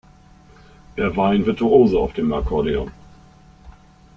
Er war ein Virtuose auf dem Akkordeon.